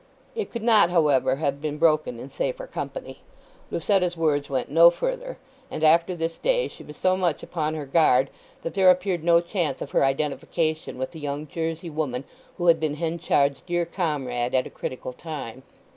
It could not, however, have been broken in safer company. Lucetta's words went no further, and after this day she was so much upon her guard that there appeared no chance of her identification with the young Jersey woman who had been Henchard's dear comrade at a critical time.